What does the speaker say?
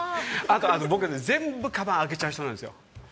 僕、全部かばん開けちゃう人なんですよ。